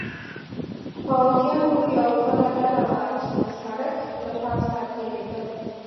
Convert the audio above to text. پوځیانو یوه بله ډله وه، چې د سړک له پاسه تېرېدل.